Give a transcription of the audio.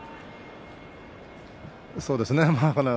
そうですね。